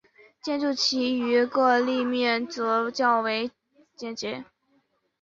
建筑其余各立面则较为简洁。